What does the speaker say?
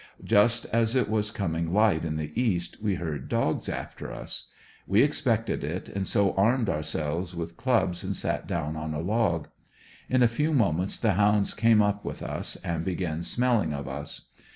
Just as it was com ing light in the east we heard dogs after us We expected it, and so armed ourselves with clubs and sat down on a log. In a few mo ments the liounds came up with us and began smelling of us.